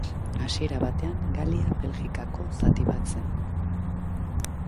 Hasiera batean Galia Belgikako zati bat zen.